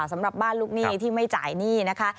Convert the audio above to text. สำหรับบ้านลูกหนี้ที่ไม่จ่ายหนี้นะคะ